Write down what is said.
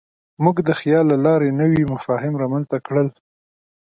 موږ د خیال له لارې نوي مفاهیم رامنځ ته کړل.